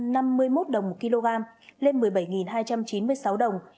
dầu hỏa tăng một trăm năm mươi một đồng một kg lên một mươi bảy hai trăm chín mươi sáu đồng